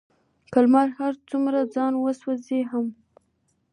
که لمر هر څومره ځان وسوزوي هم،